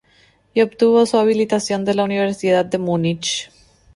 Y obtuvo su habilitación de la Universidad de Múnich.